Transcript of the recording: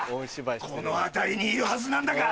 この辺りにいるはずなんだが！